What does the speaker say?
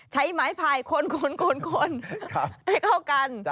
ใช้หมายพายคนให้เข้ากัน